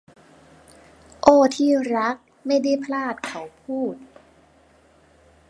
โอ้ที่รักไม่ได้พลาดเขาพูด